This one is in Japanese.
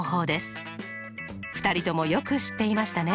２人ともよく知っていましたね。